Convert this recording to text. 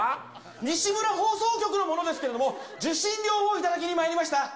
西村放送局の者ですけれども、受信料を頂きにまいりました。